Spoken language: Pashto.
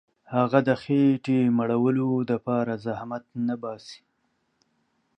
هغه د خېټي مړولو دپاره زحمت نه باسي.